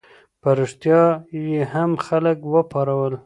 په ریشتیا یې هم خلک وپارول.